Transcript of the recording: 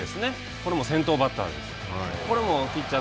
これも先頭バッターです。